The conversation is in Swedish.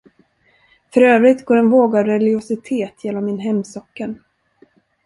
För övrigt går en våg av religiositet genom min hemsocken.